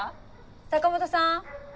坂本さん？